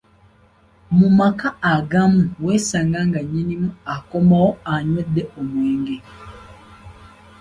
Mu maka agamu weesanga nga nnyinimu akomawo anywedde omwenge.